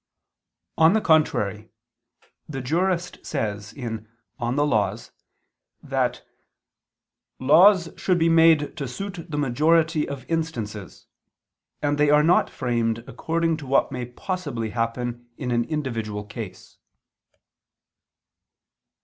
On the contrary, The Jurist says (Pandect. Justin. lib. i, tit. iii, art. ii; De legibus, etc.) that "laws should be made to suit the majority of instances; and they are not framed according to what may possibly happen in an individual case."